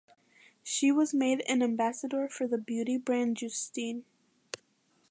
She was made an ambassador for the beauty brand Justine.